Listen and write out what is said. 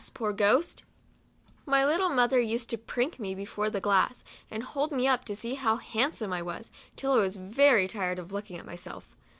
poor ghost] '" My little mother used to prink before the glass, and hold me up to see how handsome I was, till I was very tired of looking at myself.